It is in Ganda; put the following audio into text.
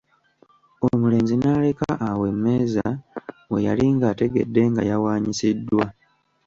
Omulenzi n'aleka awo emmeeza we yali ng'ategedde nga yawaanyisiddwa.